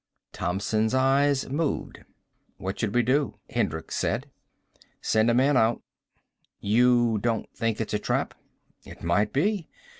Thompson's eyes moved. "What should we do?" Hendricks said. "Send a man out." "You don't think it's a trap?" "It might be.